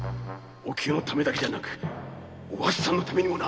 おきよだけじゃなくお初さんのためにもな！